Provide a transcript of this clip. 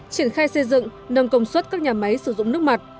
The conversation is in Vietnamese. triển khai xây dựng nâng công suất các nhà máy sử dụng nước mặt